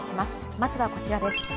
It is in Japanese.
まずはこちらです。